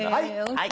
はい。